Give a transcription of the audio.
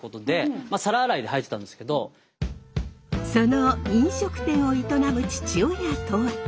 その飲食店を営む父親とは。